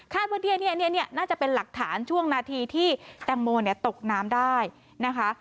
ว่าเนี่ยน่าจะเป็นหลักฐานช่วงนาทีที่แตงโมตกน้ำได้นะคะ